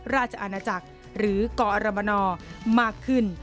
ราชอาณาจักรหรือกอรมนมากขึ้น